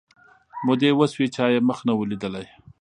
مودې وسوې چا یې مخ نه وو لیدلی